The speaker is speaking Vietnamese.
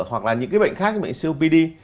hoặc là những cái bệnh khác như bệnh copd